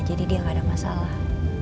jadi dia gak ada masalah